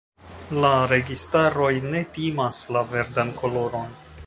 La registaroj ne timas la verdan koloron.